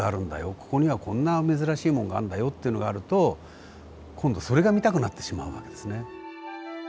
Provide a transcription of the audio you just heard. ここにはこんな珍しいもんがあるんだよというのがあると今度それが見たくなってしまう訳ですね。